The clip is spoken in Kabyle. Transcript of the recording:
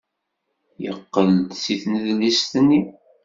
Yeqqel-d seg tnedlist-nni.